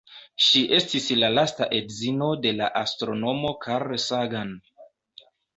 Ŝi estis la lasta edzino de la astronomo Carl Sagan.